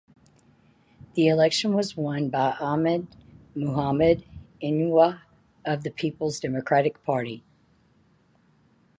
The election was won by Ahmed Mohammed Inuwa of the Peoples Democratic Party.